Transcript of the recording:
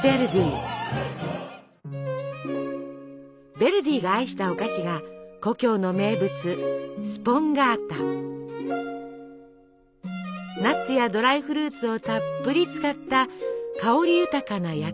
ヴェルディが愛したお菓子が故郷の名物ナッツやドライフルーツをたっぷり使った香り豊かな焼き菓子です。